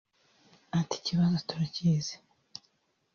Ati “Ikibazo turakizi